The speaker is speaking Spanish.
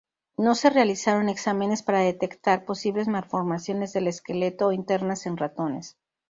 No se realizaron exámenes para detectar posibles malformaciones del esqueleto o internas en ratones.